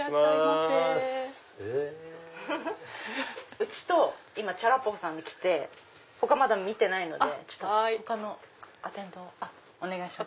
うちと今ちゃらっｐｏｃｏさんに来て他まだ見てないので他のアテンドお願いします。